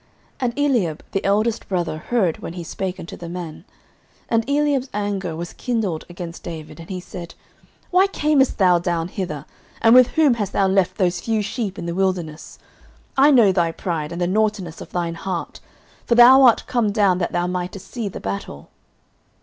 09:017:028 And Eliab his eldest brother heard when he spake unto the men; and Eliab's anger was kindled against David, and he said, Why camest thou down hither? and with whom hast thou left those few sheep in the wilderness? I know thy pride, and the naughtiness of thine heart; for thou art come down that thou mightest see the battle.